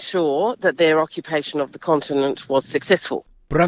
memastikan perang di kontinen mereka